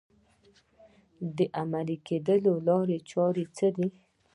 د عملي کېدو لارې چارې یې څه دي؟